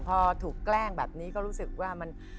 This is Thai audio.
พอถูกแกล้งแบบนี้ก็รู้สึกว่ามัน